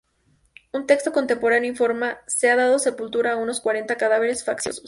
Un texto contemporáneo informa: "se ha dado sepultura a unos cuarenta cadáveres facciosos".